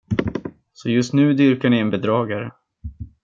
Så just nu dyrkar ni en bedragare.